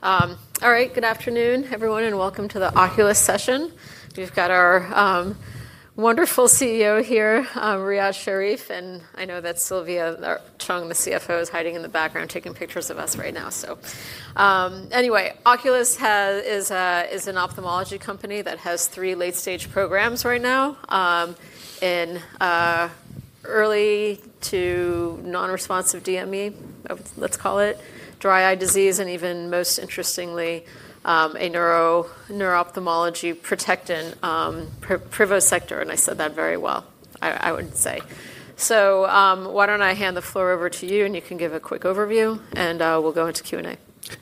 All right, good afternoon, everyone, and welcome to the Oculis session. We've got our wonderful CEO here, Riad Sherif, and I know that Sylvia Cheung, the CFO, is hiding in the background taking pictures of us right now. Anyway, Oculis is an ophthalmology company that has three late-stage programs right now in early to non-responsive DME, let's call it, dry eye disease, and even most interestingly, a neuro-ophthalmology protectant Privosegtor, and I said that very well, I would say. Why don't I hand the floor over to you, and you can give a quick overview, and we'll go into Q&A.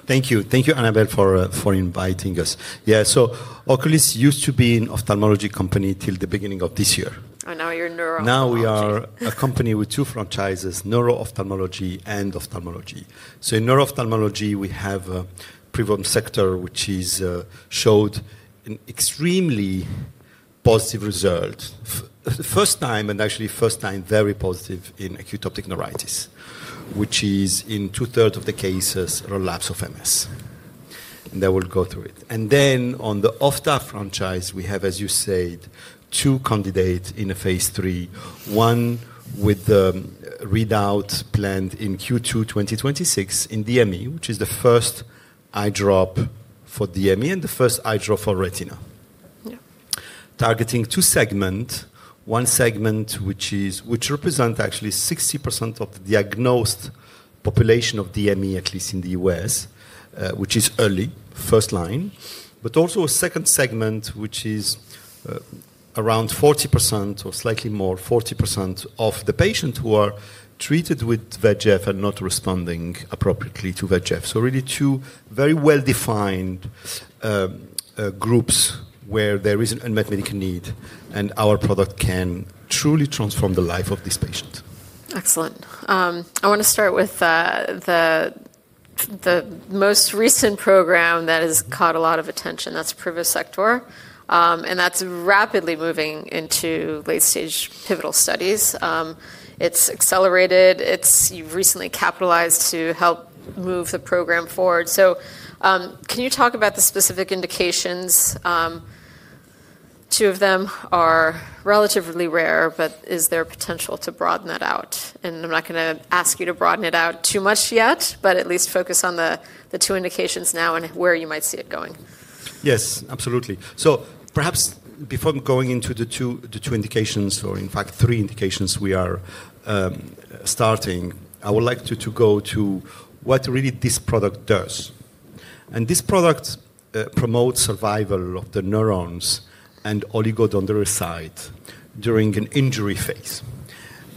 Thank you. Thank you, Annabel, for inviting us. Yeah, so Oculis used to be an ophthalmology company till the beginning of this year. Oh, now you're neuro. Now we are a company with two franchises: neuro-ophthalmology and ophthalmology. In neuro-ophthalmology, we have Privosegtor which showed an extremely positive result, first time, and actually first time very positive in acute optic neuritis, which is in two-thirds of the cases relapse of MS. I will go through it. In the ophthalmology franchise, we have, as you said, two candidates in a phase III, one with the readout planned in Q2 2026 in DME, which is the first eye drop for DME and the first eye drop for retina, targeting two segments, one segment which represents actually 60% of the diagnosed population of DME, at least in the U.S., which is early, first line, but also a second segment which is around 40% or slightly more, 40% of the patients who are treated with VEGF and not responding appropriately to VEGF. Really two very well-defined groups where there is an unmet medical need, and our product can truly transform the life of this patient. Excellent. I want to start with the most recent program that has caught a lot of attention. That's Privosegtor, and that's rapidly moving into late-stage pivotal studies. It's accelerated. You've recently capitalized to help move the program forward. Can you talk about the specific indications? Two of them are relatively rare, but is there potential to broaden that out? I'm not going to ask you to broaden it out too much yet, but at least focus on the two indications now and where you might see it going. Yes, absolutely. Perhaps before going into the two indications, or in fact three indications we are starting, I would like to go to what really this product does. This product promotes survival of the neurons and oligodendrocyte during an injury phase.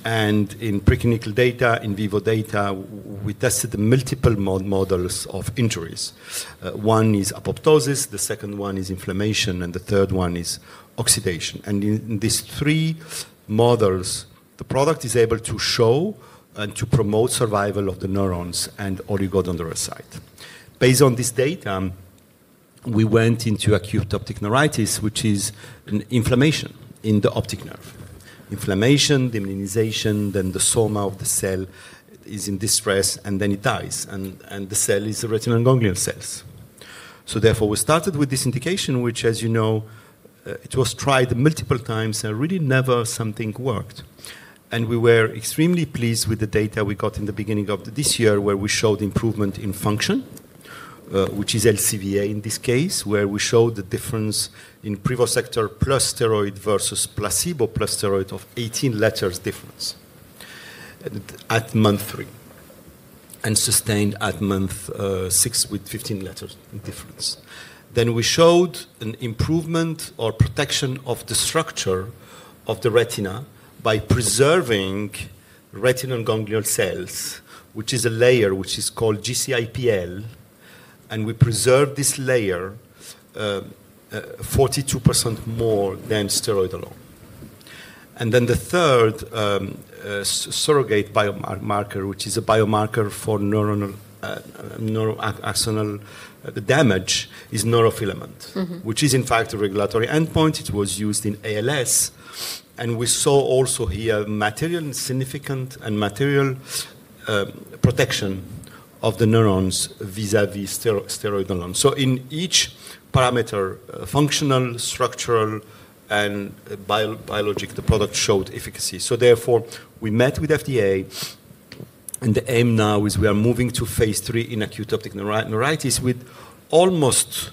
In preclinical data, in vivo data, we tested multiple models of injuries. One is apoptosis, the second one is inflammation, and the third one is oxidation. In these three models, the product is able to show and to promote survival of the neurons and oligodendrocyte. Based on this data, we went into acute optic neuritis, which is an inflammation in the optic nerve. Inflammation, demyelinization, then the soma of the cell is in distress, and then it dies, and the cell is retinal ganglion cells. Therefore, we started with this indication, which, as you know, was tried multiple times, and really never something worked. We were extremely pleased with the data we got in the beginning of this year, where we showed improvement in function, which is LCVA in this case, where we showed the difference in Privosegtor plus steroid versus placebo plus steroid of 18 letters difference at month three and sustained at month six with 15 letters difference. We showed an improvement or protection of the structure of the retina by preserving retinal ganglion cells, which is a layer called GCIPL, and we preserved this layer 42% more than steroid alone. The third surrogate biomarker, which is a biomarker for neuroaxonal damage, is neurofilament, which is in fact a regulatory endpoint. It was used in ALS, and we saw also here significant and material protection of the neurons vis-à-vis steroid alone. In each parameter, functional, structural, and biologic, the product showed efficacy. Therefore, we met with FDA, and the aim now is we are moving to phase III in acute optic neuritis with almost,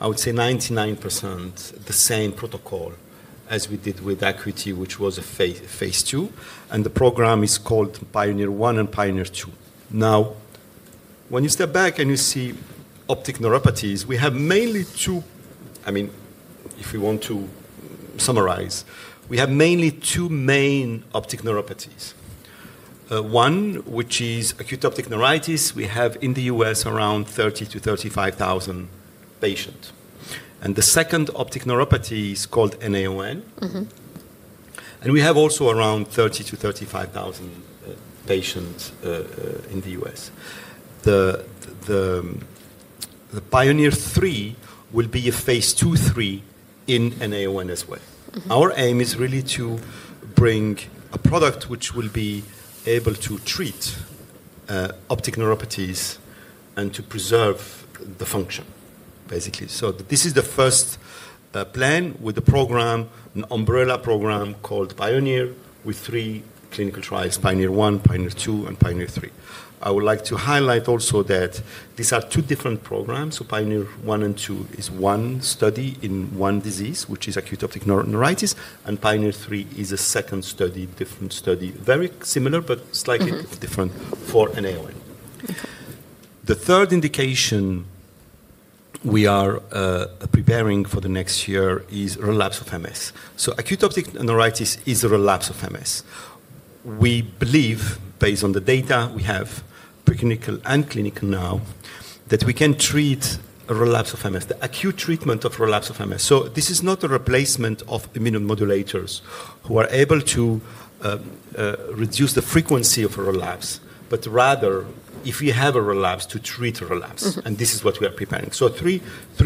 I would say, 99% the same protocol as we did with ACUITY, which was a phase II, and the program is called PIONEER-1 and PIONEER-2. Now, when you step back and you see optic neuropathies, we have mainly two, I mean, if we want to summarize, we have mainly two main optic neuropathies. One, which is acute optic neuritis, we have in the U.S. around 30,000-35,000 patients. The second optic neuropathy is called NAION, and we have also around 30,000-35,000 patients in the U.S. The PIONEER-3 will be a phase II, III in NAION as well. Our aim is really to bring a product which will be able to treat optic neuropathies and to preserve the function, basically. This is the first plan with the program, an umbrella program called PIONEER with three clinical trials, PIONEER-1, PIONEER-2, and PIONEER-3. I would like to highlight also that these are two different programs. PIONEER-1 and PIONEER-2 is one study in one disease, which is acute optic neuritis, and PIONEER-3 is a second study, different study, very similar, but slightly different for NAION. The third indication we are preparing for the next year is relapse of MS. Acute optic neuritis is a relapse of MS. We believe, based on the data we have preclinical and clinical now, that we can treat relapse of MS, the acute treatment of relapse of MS. This is not a replacement of immunomodulators who are able to reduce the frequency of a relapse, but rather, if you have a relapse, to treat a relapse, and this is what we are preparing. Three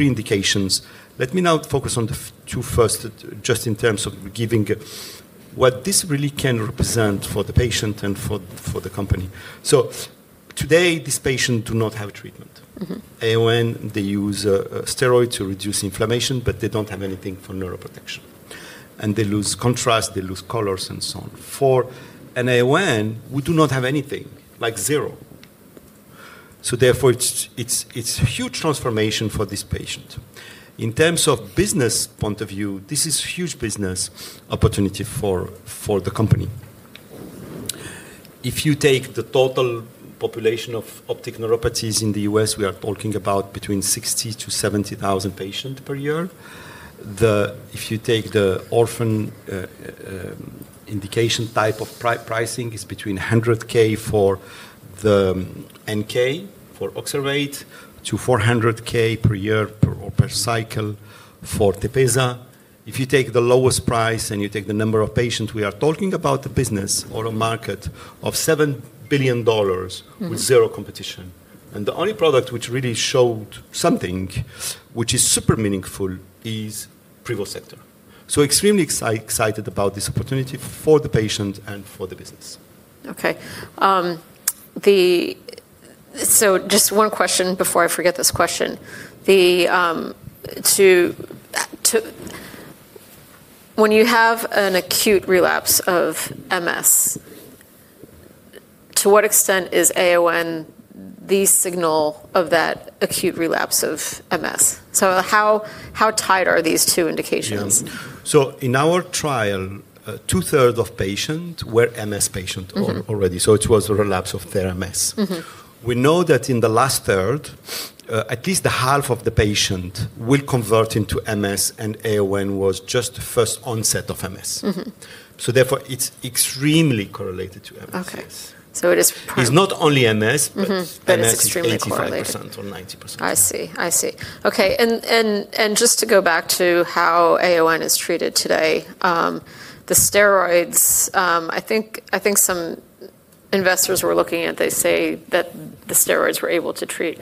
indications. Let me now focus on the two first just in terms of giving what this really can represent for the patient and for the company. Today, these patients do not have treatment. AON, they use steroids to reduce inflammation, but they do not have anything for neuroprotection, and they lose contrast, they lose colors, and so on. For NAION, we do not have anything, like zero. Therefore, it is a huge transformation for this patient. In terms of business point of view, this is a huge business opportunity for the company. If you take the total population of optic neuropathies in the U.S., we are talking about between 60,000-70,000 patients per year. If you take the orphan indication type of pricing, it's between $100,000 for the NK for oxalate, to $400,000 per year or per cycle for TEPEZZA. If you take the lowest price and you take the number of patients, we are talking about the business or a market of $7 billion with zero competition. The only product which really showed something which is super meaningful is Privosegtor. Extremely excited about this opportunity for the patient and for the business. Okay. Just one question before I forget this question. When you have an acute relapse of MS, to what extent is AON the signal of that acute relapse of MS? How tight are these two indications? In our trial, 2/3 of patients were MS patients already, so it was a relapse of their MS. We know that in the last third, at least half of the patients will convert into MS, and AON was just the first onset of MS. Therefore, it's extremely correlated to MS. Okay. So it is. It's not only MS, but MS extremely correlated. It is extremely correlated. Or 90%. I see. I see. Okay. Just to go back to how AON is treated today, the steroids, I think some investors were looking at, they say that the steroids were able to treat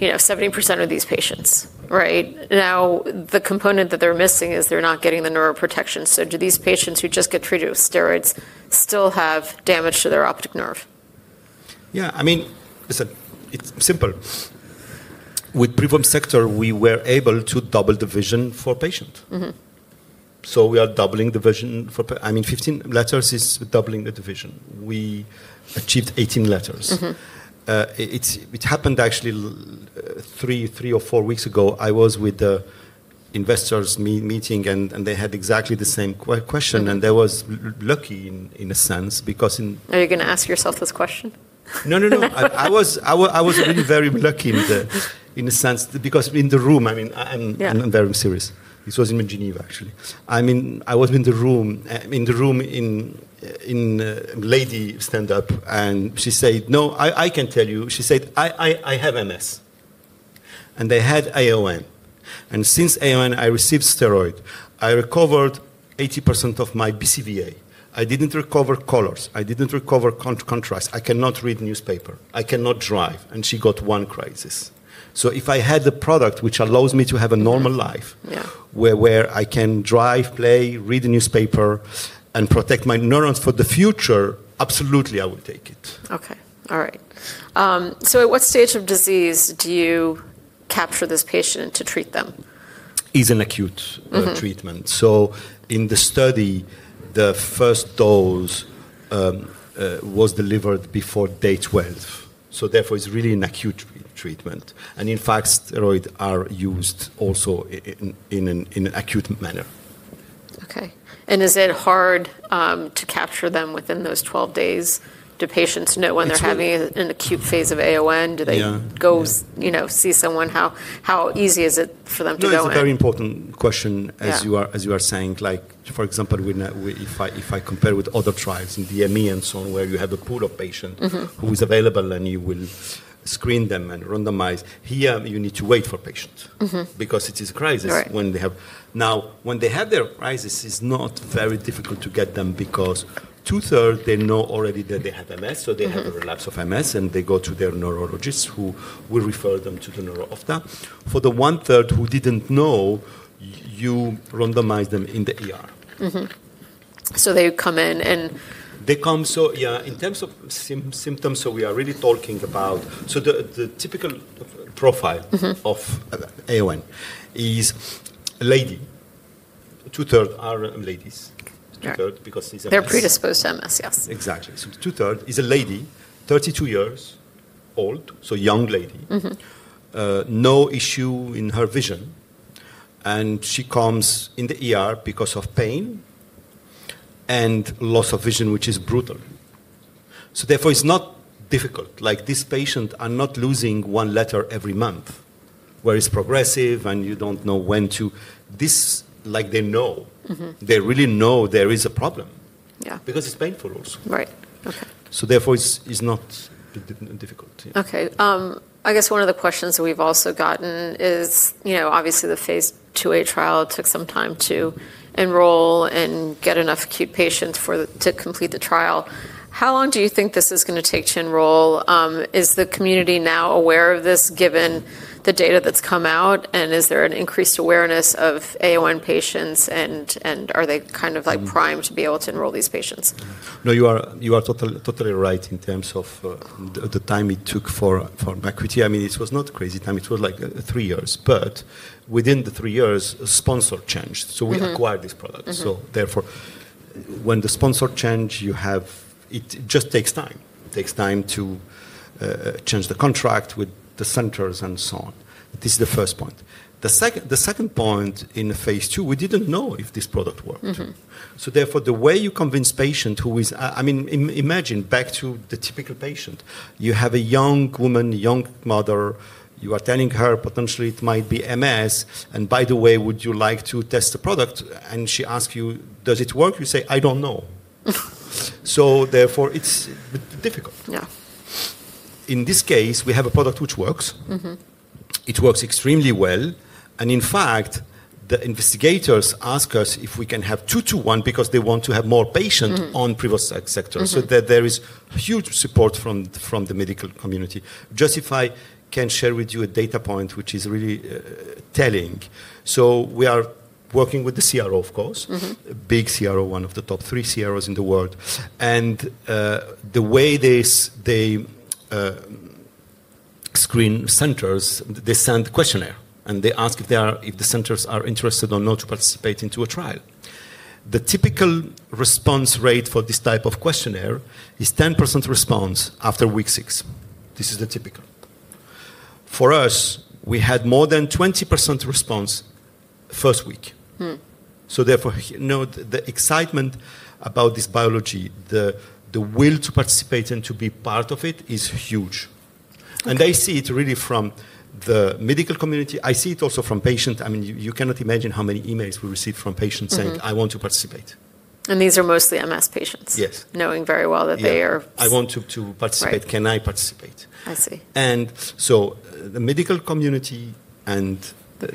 70% of these patients, right? Now, the component that they're missing is they're not getting the neuroprotection. Do these patients who just get treated with steroids still have damage to their optic nerve? Yeah. I mean, it's simple. With Privosegtor, we were able to double the vision for patients. So we are doubling the vision for, I mean, 15 letters is doubling the vision. We achieved 18 letters. It happened actually three or four weeks ago. I was with the investors meeting, and they had exactly the same question, and I was lucky in a sense because in. Are you going to ask yourself this question? No, no, no. I was really very lucky in a sense because in the room, I mean, I'm very serious. This was in Geneva, actually. I mean, I was in the room, in the room, and a lady stand-up, and she said, "No, I can tell you." She said, "I have MS." And they had AON. And since AON, I received steroid. I recovered 80% of my BCVA. I didn't recover colors. I didn't recover contrast. I cannot read newspaper. I cannot drive. She got one crisis. If I had the product which allows me to have a normal life where I can drive, play, read the newspaper, and protect my neurons for the future, absolutely, I will take it. Okay. All right. At what stage of disease do you capture this patient to treat them? Is an acute treatment. In the study, the first dose was delivered before day 12. Therefore, it's really an acute treatment. In fact, steroids are used also in an acute manner. Okay. Is it hard to capture them within those 12 days? Do patients know when they're having an acute phase of AON? Do they go see someone? How easy is it for them to go in? That's a very important question, as you are saying. Like, for example, if I compare with other trials in DME and so on, where you have a pool of patients who is available, and you will screen them and randomize, here you need to wait for patients because it is a crisis when they have. Now, when they have their crisis, it's not very difficult to get them because two-thirds, they know already that they have MS, so they have a relapse of MS, and they go to their neurologist who will refer them to the neuro OFTA. For the one-third who didn't know, you randomize them in the They come in and. They come. Yeah, in terms of symptoms, we are really talking about the typical profile of AON is a lady. 2/3 are ladies. 2/3 because it's a. They're predisposed to MS, yes. Exactly. 2/3 is a lady, 32 years old, so young lady, no issue in her vision, and she comes in because of pain and loss of vision, which is brutal. Therefore, it's not difficult. Like this patient, I'm not losing one letter every month, where it's progressive and you don't know when to. This, like they know, they really know there is a problem because it's painful also. Right. Okay. Therefore, it's not difficult. Okay. I guess one of the questions that we've also gotten is, obviously, the phase II-A trial took some time to enroll and get enough acute patients to complete the trial. How long do you think this is going to take to enroll? Is the community now aware of this given the data that's come out, and is there an increased awareness of AON patients, and are they kind of like primed to be able to enroll these patients? No, you are totally right in terms of the time it took for ACUITY. I mean, it was not crazy time. It was like three years, but within the three years, a sponsor changed. So we acquired this product. Therefore, when the sponsor changed, you have, it just takes time. It takes time to change the contract with the centers and so on. This is the first point. The second point in phase II, we did not know if this product worked. Therefore, the way you convince a patient who is, I mean, imagine back to the typical patient. You have a young woman, young mother. You are telling her potentially it might be MS, and by the way, would you like to test the product? And she asks you, "Does it work?" You say, "I do not know." Therefore, it is difficult. Yeah. In this case, we have a product which works. It works extremely well. In fact, the investigators ask us if we can have two to one because they want to have more patients on Privosegtor. There is huge support from the medical community. Just if I can share with you a data point which is really telling. We are working with the CRO, of course, a big CRO, one of the top three CROs in the world. The way they screen centers, they send a questionnaire, and they ask if the centers are interested or not to participate in a trial. The typical response rate for this type of questionnaire is 10% response after week six. This is the typical. For us, we had more than 20% response first week. Therefore, the excitement about this biology, the will to participate and to be part of it is huge. They see it really from the medical community. I see it also from patients. I mean, you cannot imagine how many emails we received from patients saying, "I want to participate. These are mostly MS patients. Yes. Knowing very well that they are. Yes. I want to participate. Can I participate? I see. The medical community and the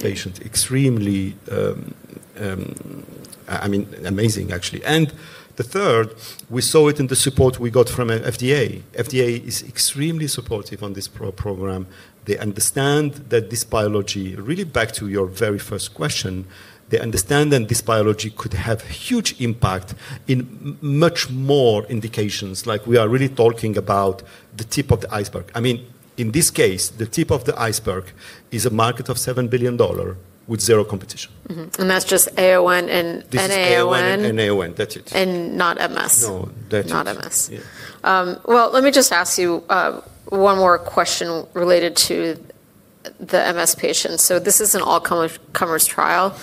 patient extremely, I mean, amazing, actually. The third, we saw it in the support we got from FDA. FDA is extremely supportive on this program. They understand that this biology, really back to your very first question, they understand that this biology could have a huge impact in much more indications. Like we are really talking about the tip of the iceberg. I mean, in this case, the tip of the iceberg is a market of $7 billion with zero competition. That's just AON and NAION. This is AON and NAION. That's it. Not MS. No. That's it. Not MS. Let me just ask you one more question related to the MS patients. This is an all-comers trial.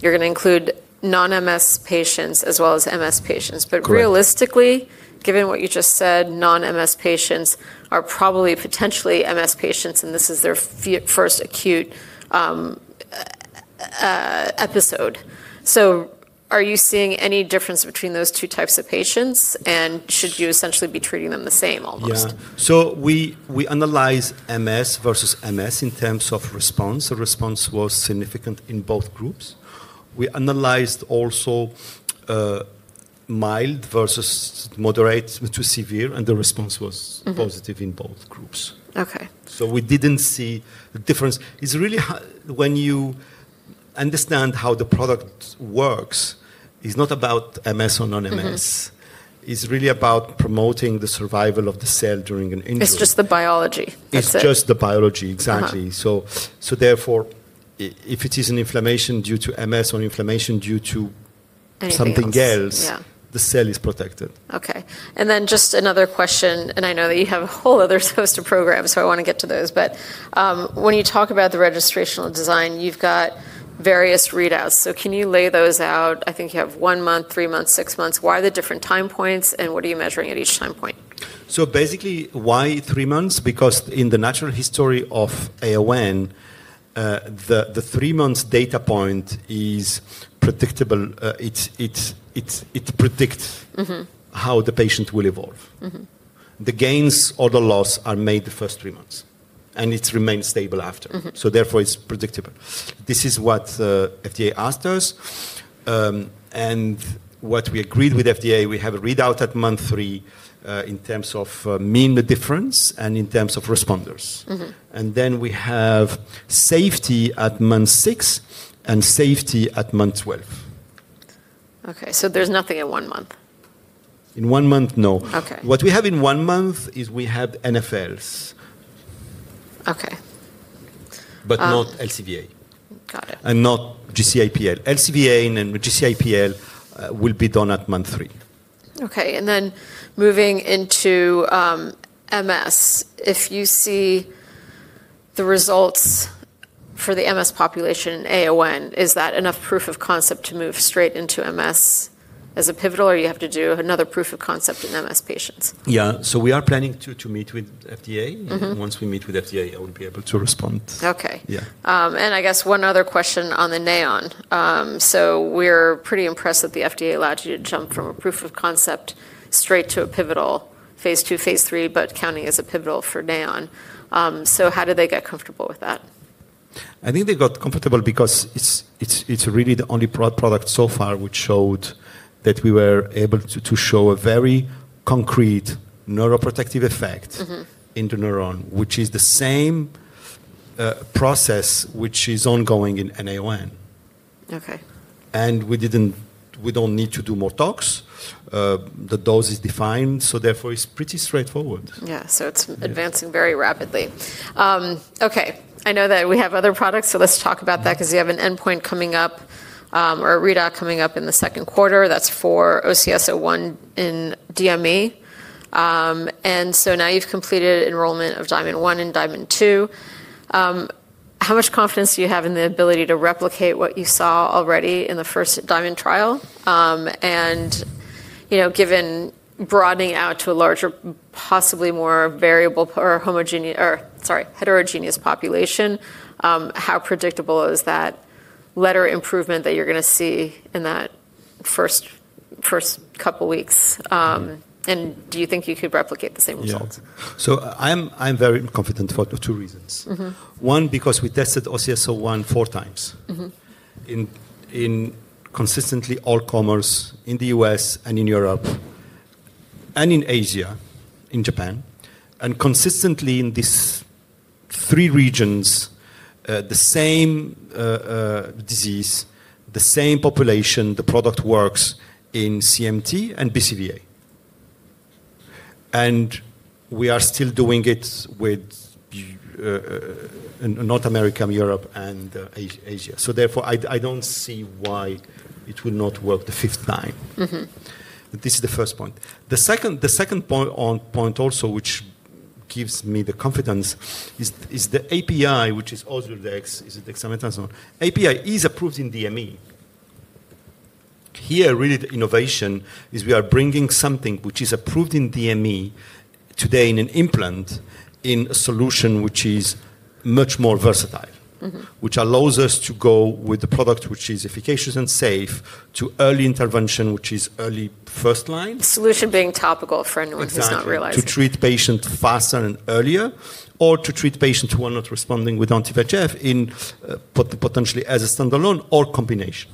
You're going to include non-MS patients as well as MS patients. Realistically, given what you just said, non-MS patients are probably potentially MS patients, and this is their first acute episode. Are you seeing any difference between those two types of patients, and should you essentially be treating them the same almost? Yeah. So we analyze MS versus MS in terms of response. The response was significant in both groups. We analyzed also mild versus moderate to severe, and the response was positive in both groups. Okay. We did not see the difference. It is really when you understand how the product works, it is not about MS or non-MS. It is really about promoting the survival of the cell during an injury. It's just the biology. It's just the biology. Exactly. Therefore, if it is an inflammation due to MS or inflammation due to something else, the cell is protected. Okay. And then just another question, I know that you have a whole other host of programs, so I want to get to those. When you talk about the registrational design, you've got various readouts. Can you lay those out? I think you have one month, three months, six months. Why are the different time points, and what are you measuring at each time point? Basically, why three months? Because in the natural history of AON, the three-month data point is predictable. It predicts how the patient will evolve. The gains or the loss are made the first three months, and it remains stable after. Therefore, it's predictable. This is what FDA asked us. What we agreed with FDA, we have a readout at month three in terms of mean difference and in terms of responders. Then we have safety at month six and safety at month 12. Okay. So there's nothing in one month. In one month, no. Okay. What we have in one month is we have NfLs. Okay. Not LCVA. Got it. Not GCIPL. LCVA and GCIPL will be done at month three. Okay. And then moving into MS, if you see the results for the MS population in AON, is that enough proof of concept to move straight into MS as a pivotal, or do you have to do another proof of concept in MS patients? Yeah. We are planning to meet with FDA. Once we meet with FDA, I will be able to respond. Okay. Yeah. I guess one other question on the NAION. We're pretty impressed that the FDA allowed you to jump from a proof of concept straight to a pivotal phase two, phase three, but counting as a pivotal for NAION. How did they get comfortable with that? I think they got comfortable because it's really the only product so far which showed that we were able to show a very concrete neuroprotective effect in the neuron, which is the same process which is ongoing in NAION. Okay. We do not need to do more talks. The dose is defined, so therefore, it is pretty straightforward. Yeah. So it's advancing very rapidly. Okay. I know that we have other products, so let's talk about that because you have an endpoint coming up or a readout coming up in the second quarter. That's for OCS-01 in DME. And now you've completed enrollment of DIAMOND-1 and DIAMOND-2. How much confidence do you have in the ability to replicate what you saw already in the first DIAMOND trial? And given broadening out to a larger, possibly more variable or homogeneous, or sorry, heterogeneous population, how predictable is that letter improvement that you're going to see in that first couple of weeks? And do you think you could replicate the same result? Yeah. So I'm very confident for two reasons. One, because we tested OCS-01 four times in consistently all-comers in the U.S. and in Europe and in Asia, in Japan, and consistently in these three regions, the same disease, the same population, the product works in CMT and BCVA. We are still doing it with North America, Europe, and Asia. Therefore, I don't see why it would not work the fifth time. This is the first point. The second point also, which gives me the confidence, is the API, which is dexamethasone. API is approved in DME. Here, really, the innovation is we are bringing something which is approved in DME today in an implant in a solution which is much more versatile, which allows us to go with the product which is efficacious and safe to early intervention, which is early first line. Solution being topical for a neurodegenerative patient. Exactly. To treat patients faster and earlier, or to treat patients who are not responding with anti-VEGF potentially as a standalone or combination.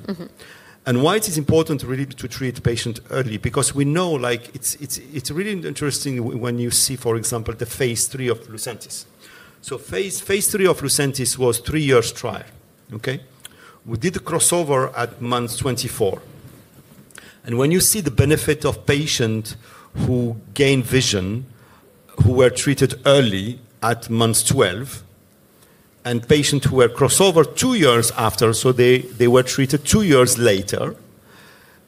Why it is important really to treat patients early? Because we know it's really interesting when you see, for example, the phase III of LUCENTIS. Phase III of LUCENTIS was a three-year trial. Okay? We did the crossover at month 24. When you see the benefit of patients who gained vision, who were treated early at month 12, and patients who were crossed over two years after, so they were treated two years later,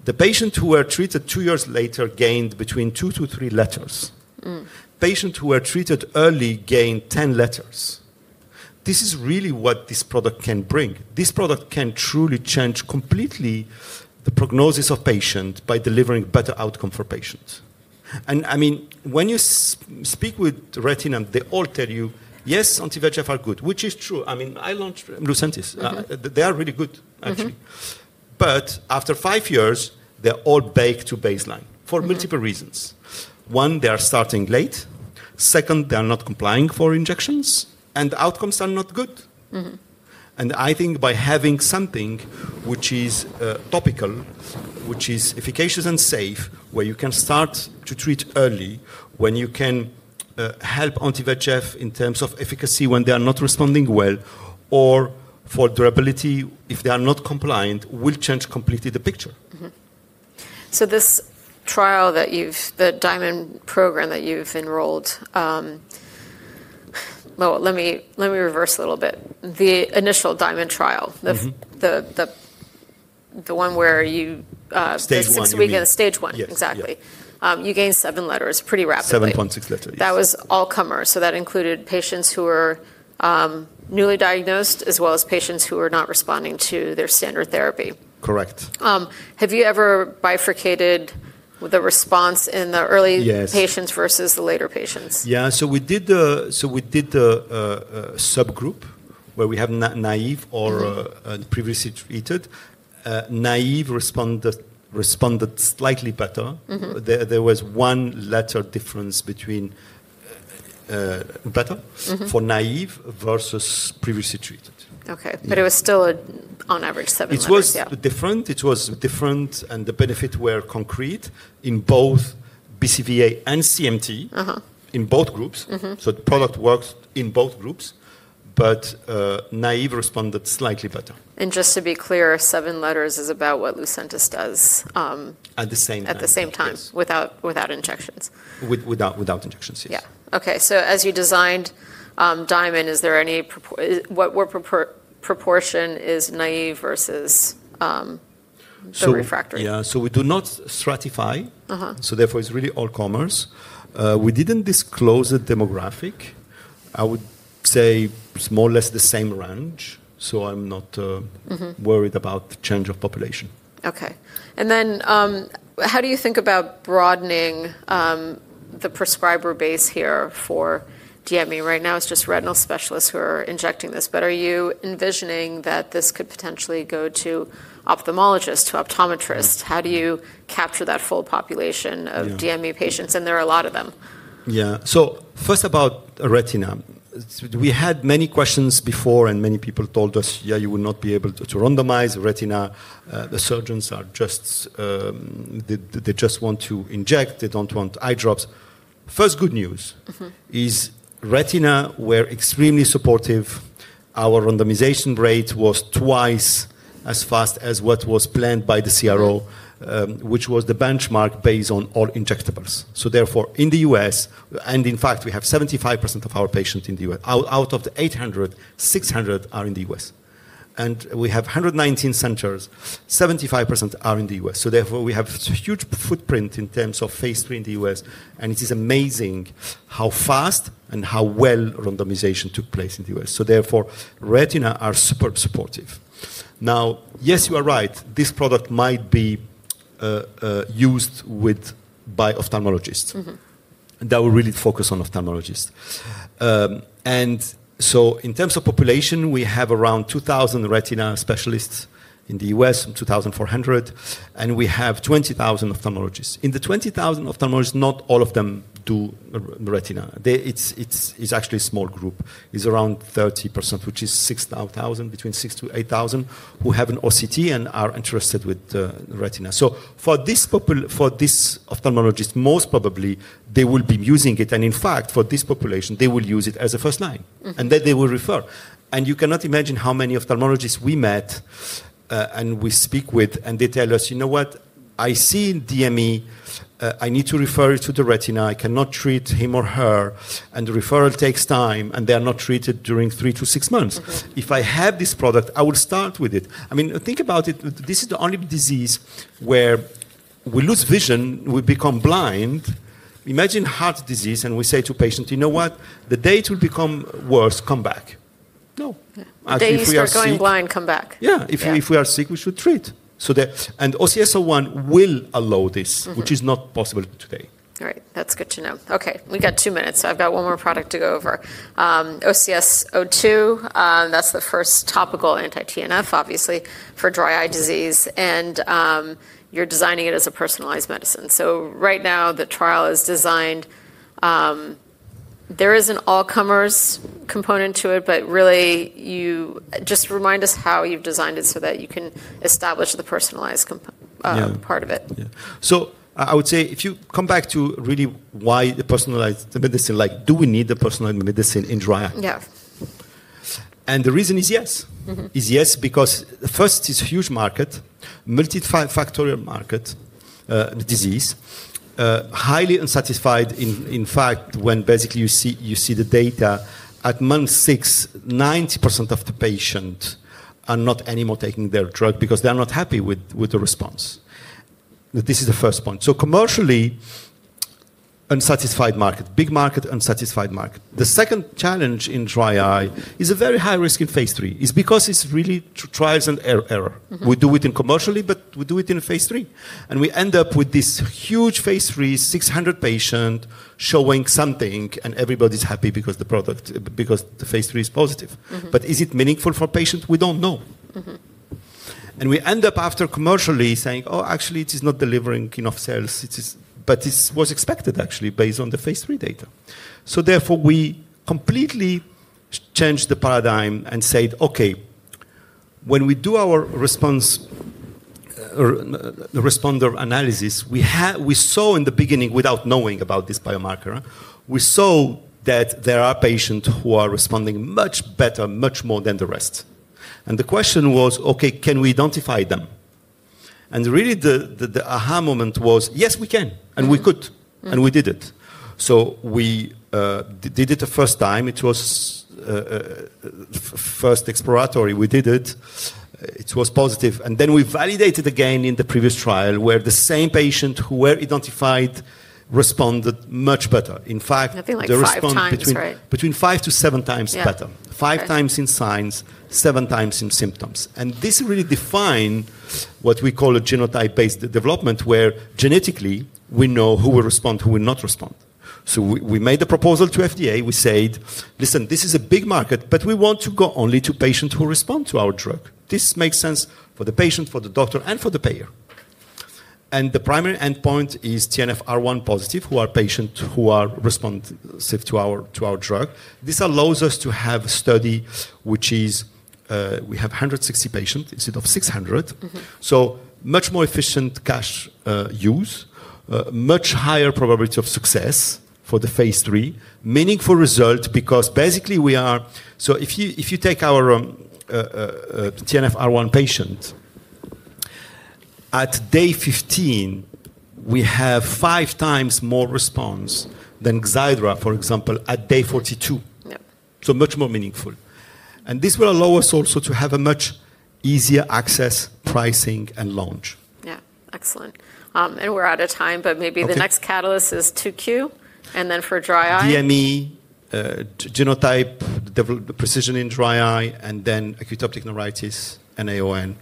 the patients who were treated two years later gained between two to three letters. Patients who were treated early gained 10 letters. This is really what this product can bring. This product can truly change completely the prognosis of patients by delivering better outcomes for patients. I mean, when you speak with retina, they all tell you, "Yes, anti-VEGF are good," which is true. I mean, I launched LUCENTIS. They are really good, actually. After five years, they're all back to baseline for multiple reasons. One, they are starting late. Second, they are not complying for injections, and the outcomes are not good. I think by having something which is topical, which is efficacious and safe, where you can start to treat early, when you can help anti-VEGF in terms of efficacy when they are not responding well, or for durability, if they are not compliant, will change completely the picture. This trial that you've, the DIAMOND program that you've enrolled, let me reverse a little bit. The initial DIAMOND trial, the one where you. Stage one. Since the beginning, stage one. Exactly. You gained seven letters pretty rapidly. 7.6 letters. That was all-comers. So that included patients who were newly diagnosed as well as patients who were not responding to their standard therapy. Correct. Have you ever bifurcated the response in the early patients versus the later patients? Yes. Yeah. We did a subgroup where we have naive or previously treated. Naive responded slightly better. There was one letter difference between better for naive versus previously treated. Okay. It was still on average 7 letters. It was different. It was different, and the benefits were concrete in both BCVA and CMT in both groups. The product works in both groups, but naive responded slightly better. Just to be clear, seven letters is about what LUCENTIS does. At the same time. At the same time without injections. Without injections, yes. Yeah. Okay. So as you designed DIAMOND, is there any, what proportion is naive versus refractory? Yeah. We do not stratify. Therefore, it's really all-comers. We didn't disclose the demographic. I would say it's more or less the same range, so I'm not worried about the change of population. Okay. And then how do you think about broadening the prescriber base here for DME? Right now, it's just retinal specialists who are injecting this, but are you envisioning that this could potentially go to ophthalmologists, to optometrists? How do you capture that full population of DME patients? There are a lot of them. Yeah. First, about retina. We had many questions before, and many people told us, "Yeah, you will not be able to randomize retina. The surgeons are just, they just want to inject. They do not want eye drops." First good news is retina were extremely supportive. Our randomization rate was twice as fast as what was planned by the CRO, which was the benchmark based on all injectables. Therefore, in the U.S., in fact, we have 75% of our patients in the U.S. Out of the 800, 600 are in the U.S. We have 119 centers. 75% are in the U.S. Therefore, we have a huge footprint in terms of phase III in the U.S. It is amazing how fast and how well randomization took place in the U.S. Therefore, retina are super supportive. Now, yes, you are right. This product might be used by ophthalmologists. They will really focus on ophthalmologists. In terms of population, we have around 2,000 retina specialists in the U.S., 2,400, and we have 20,000 ophthalmologists. In the 20,000 ophthalmologists, not all of them do retina. It is actually a small group. It is around 30%, which is 6,000, between 6,000-8,000 who have an OCT and are interested with retina. For this ophthalmologist, most probably, they will be using it. In fact, for this population, they will use it as a first line. They will refer. You cannot imagine how many ophthalmologists we met and we speak with, and they tell us, "You know what? I see DME. I need to refer it to the retina. I cannot treat him or her. The referral takes time, and they are not treated during three to six months. If I have this product, I will start with it. I mean, think about it. This is the only disease where we lose vision. We become blind. Imagine heart disease, and we say to patients, "You know what? The day it will become worse, come back." No. The day before going blind, come back. Yeah. If we are sick, we should treat. OCS-01 will allow this, which is not possible today. All right. That's good to know. Okay. We've got two minutes, so I've got one more product to go over. OCS-02, that's the first topical anti-TNF, obviously, for dry eye disease. And you're designing it as a personalized medicine. So right now, the trial is designed. There is an all-comers component to it, but really, just remind us how you've designed it so that you can establish the personalized part of it. Yeah. I would say if you come back to really why the personalized medicine, like, do we need the personalized medicine in dry eye? Yeah. The reason is yes. Yes because first, it's a huge market, multifactorial market, the disease, highly unsatisfied. In fact, when basically you see the data at month six, 90% of the patients are not anymore taking their drug because they are not happy with the response. This is the first point. Commercially, unsatisfied market, big market, unsatisfied market. The second challenge in dry eye is a very high risk in phase three. It's because it's really trials and errors. We do it commercially, but we do it in phase three. We end up with this huge phase III, 600 patients showing something, and everybody's happy because the phase III is positive. Is it meaningful for patients? We don't know. We end up after commercially saying, "Oh, actually, it is not delivering enough sales." It was expected, actually, based on the phase III data. Therefore, we completely changed the paradigm and said, "Okay. When we do our responder analysis, we saw in the beginning, without knowing about this biomarker, we saw that there are patients who are responding much better, much more than the rest." The question was, "Okay. Can we identify them?" Really, the aha moment was, "Yes, we can." We could. We did it. We did it the first time. It was first exploratory. We did it. It was positive. Then we validated again in the previous trial where the same patients who were identified responded much better. In fact. Nothing like five times, right? Between five to seven times better. Five times in signs, seven times in symptoms. This really defined what we call a genotype-based development where genetically we know who will respond, who will not respond. We made a proposal to FDA. We said, "Listen, this is a big market, but we want to go only to patients who respond to our drug. This makes sense for the patient, for the doctor, and for the payer." The primary endpoint is TNF-R1 positive, who are patients who are responsive to our drug. This allows us to have a study which is 160 patients instead of 600. Much more efficient cash use, much higher probability of success for the phase three, meaningful result because basically we are, so if you take our TNF-R1 patient, at day 15, we have five times more response than Xiidra, for example, at day 42. Much more meaningful. This will allow us also to have a much easier access, pricing, and launch. Yeah. Excellent. We're out of time, but maybe the next catalyst is 2Q. And then for dry eye. DME, genotype, the precision in dry eye, and then acute optic neuritis, NAION,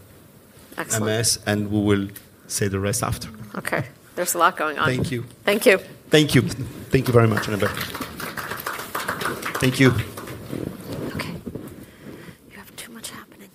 MS. We will say the rest after. Okay. There's a lot going on. Thank you. Thank you. Thank you. Thank you very much, Annabel. Thank you. Okay. You have too much happening.